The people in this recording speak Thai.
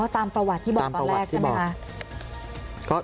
ตามประวัติที่บอกตอนแรกใช่ไหมคะ